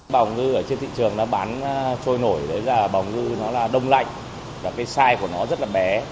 bảo ngư ở trên thị trường nó bán trôi nổi bảo ngư nó là đông lạnh cái size của nó rất là bé